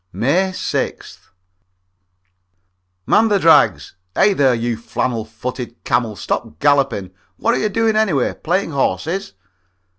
May 6th. "Man the drags! Hey, there, you flannel footed camel, stop galloping! What are you doing, anyway playing horses?"